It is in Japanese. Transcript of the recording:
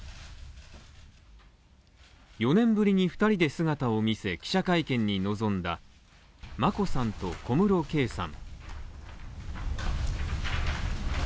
４年ぶりに２人で姿を見せ記者会見に臨んだ眞子さんと、小室圭さん。